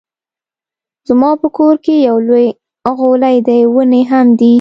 زما په کور کې يو لوی غولی دی ونې هم دي